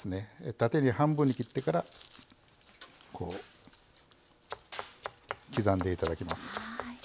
縦に半分に切ってからこう刻んでいただきます。